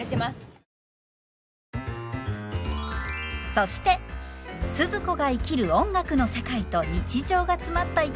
そしてスズ子が生きる音楽の世界と日常が詰まった一枚がこちら！